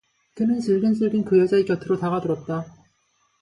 그는 슬근슬근 그 여자의 곁으로 다가들었다.